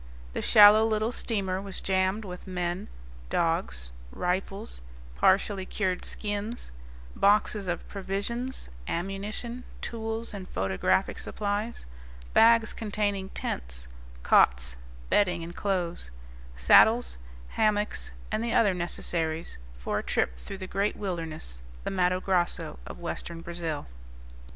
The shallow little steamer was jammed with men, dogs, rifles, partially cured skins, boxes of provisions, ammunition, tools, and photographic supplies, bags containing tents, cots, bedding, and clothes, saddles, hammocks, and the other necessaries for a trip through the "great wilderness," the "Matto Grosso" of western Brazil.